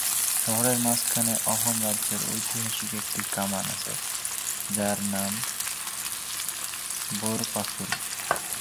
শহরের মাঝখানে অহোম রাজ্যের ঐতিহাসিক একটি কামান আছে, যার নাম বোর পাখুরি।